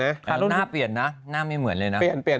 ท่านเอ่อนหน้าเปลี่ยนนะหน้ามีเหมือนเลยนะ